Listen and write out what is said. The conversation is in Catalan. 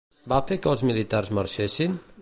Va fer que els militars marxessin?